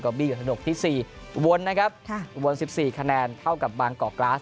บี้อยู่ถนกที่๔อุบลนะครับอุบล๑๔คะแนนเท่ากับบางกอกกราส